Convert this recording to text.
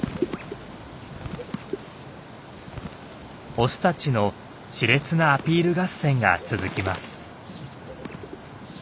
オスたちのしれつなアピール合戦が続きます。